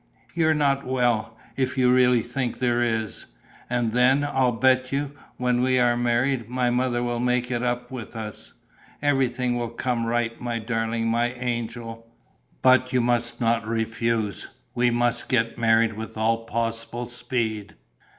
You're not well, if you really think there is. And then I'll bet you, when we are married, my mother will make it up with us. Everything will come right, my darling, my angel.... But you must not refuse: we must get married with all possible speed."